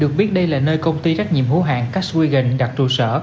được biết đây là nơi công ty trách nhiệm hữu hạng castwagan đặt trụ sở